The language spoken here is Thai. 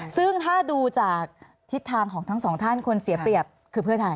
ซึ่งถ้าดูจากทิศทางของทั้งสองท่านคนเสียเปรียบคือเพื่อไทย